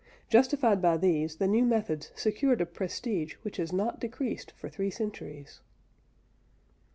Justified by these, the new methods secured a prestige which has not decreased for three centuries.